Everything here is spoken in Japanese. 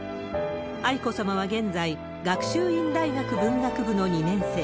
愛子さまは現在、学習院大学文学部の２年生。